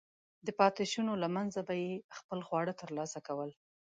د پاتېشونو له منځه به یې خپل خواړه ترلاسه کول.